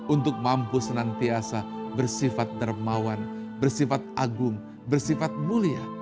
untuk mampu senantiasa bersifat dermawan bersifat agung bersifat mulia